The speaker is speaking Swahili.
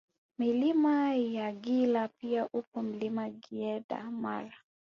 Milima ya Gila pia upo Mlima Giyeda Mara